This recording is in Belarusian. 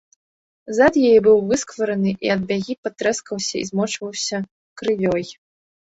Зад яе быў высквараны і ад бягі патрэскаўся і змочваўся крывёй.